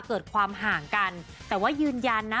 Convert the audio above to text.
เกิดความห่างกันแต่ว่ายืนยันนะ